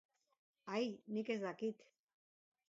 Ai, nik ez dakit.